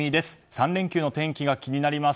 ３連休の天気が気になります。